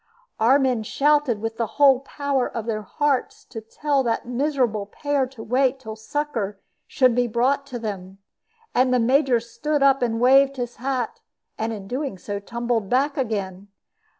Our men shouted with the whole power of their hearts to tell that miserable pair to wait till succor should be brought to them. And the Major stood up and waved his hat, and in doing so tumbled back again.